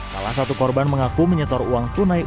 salah satu korban mengaku menyetor uang tunai